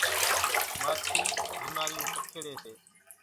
ماڇِي ڀيمارِيوُن پکيڙيَ سي۔